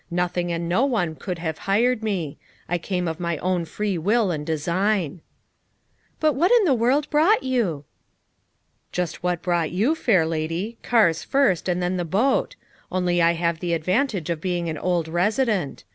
"Nothing and no one could have hired me; I came of my own free will and design." "But what in the world brought you?" "Just what brought you, fair lady, cars first and then the boat; only I have the advantage of being an old resident.